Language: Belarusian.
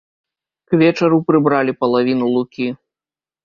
К вечару прыбралі палавіну лукі.